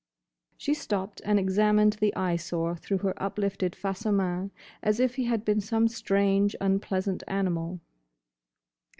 She stopped and examined the Eyesore through her uplifted face à main, as if he had been some strange, unpleasant animal.